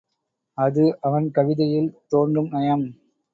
அது அவன் கவிதையில் தோன்றும் நயம்.